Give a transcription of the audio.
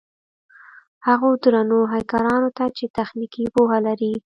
هغو درنو هېکرانو ته چې تخنيکي پوهه لري.